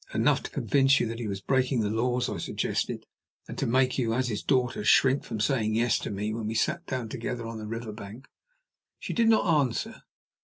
"Enough to convince you that he was breaking the laws," I suggested; "and, to make you, as his daughter, shrink from saying 'yes' to me when we sat together on the river bank?" She did not answer.